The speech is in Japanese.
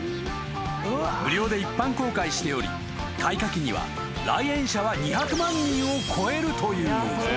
［無料で一般公開しており開花期には来園者は２００万人を超えるという］